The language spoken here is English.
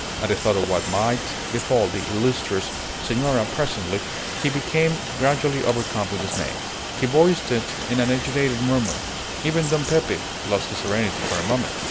At the thought of what might befall the illustrious senora presently, he became gradually overcome with dismay. He voiced it in an agitated murmur. Even Don Pepe lost his serenity for a moment.